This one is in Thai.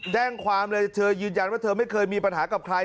แจ้งความเลยเธอยืนยันว่าเธอไม่เคยมีปัญหากับใคร